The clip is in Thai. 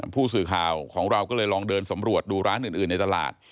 ผู้สื่อข่าวของเราก็เลยลองเดินสำรวจดูร้านอื่นในตลาด